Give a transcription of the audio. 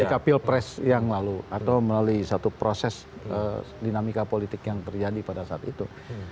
ketika pilpres yang lalu atau melalui satu proses dinamika politik yang terjadi pada saat itu